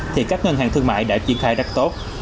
thì các ngân hàng thương mại đã triển khai rất tốt